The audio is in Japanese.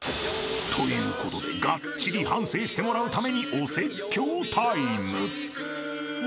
［ということでがっちり反省してもらうためにお説教タイム］